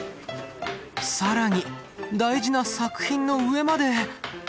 更に大事な作品の上まで。